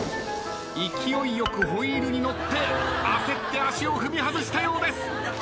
勢いよくホイールに乗って焦って足を踏み外したようです。